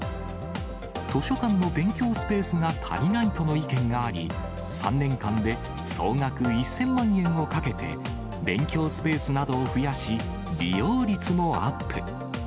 図書館の勉強スペースが足りないとの意見があり、３年間で総額１０００万円をかけて、勉強スペースなどを増やし、利用率もアップ。